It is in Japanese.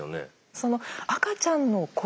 その赤ちゃんの声。